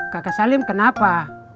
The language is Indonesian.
kakak salim kenapa